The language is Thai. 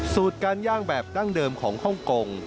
การย่างแบบดั้งเดิมของฮ่องกง